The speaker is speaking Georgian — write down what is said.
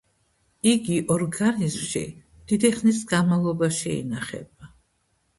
იგი ორგანიზმში დიდი ხნის განმავლობაში ინახება.